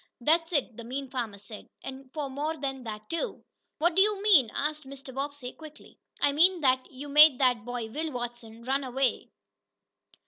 "That's it," the mean farmer said. "And for more than that, too." "What do you mean?" asked Mr. Bobbsey quickly. "I mean that you made that boy, Will Watson, run away."